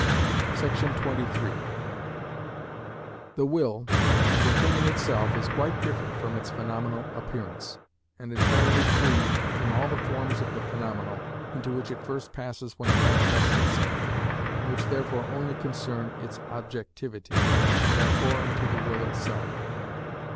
§ 23. The will as a thing in itself is quite different from its phenomenal appearance, and entirely free from all the forms of the phenomenal, into which it first passes when it manifests itself, and which therefore only concern its objectivity, and are foreign to the will itself.